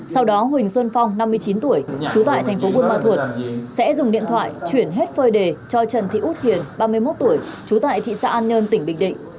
sau đó huỳnh xuân phong năm mươi chín tuổi trú tại thành phố buôn ma thuột sẽ dùng điện thoại chuyển hết phơi đề cho trần thị út hiền ba mươi một tuổi trú tại thị xã an nhơn tỉnh bình định